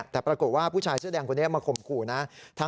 แต่ปรากฏว่าผู้ชายเสื้อแดงคนนี้มาข่มขู่นะ